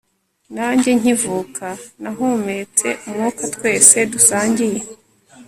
nanjye nkivuka, nahumetse umwuka twese dusangiye